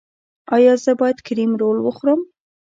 ایا زه باید کریم رول وخورم؟